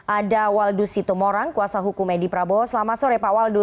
ada waldus sito morang kuasa hukum edi prabowo selamat sore pak waldus